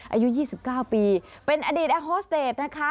อายุ๒๙ปีเป็นอดีตแอโฮสเตจนะคะ